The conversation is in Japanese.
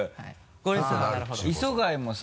これさ磯貝もさ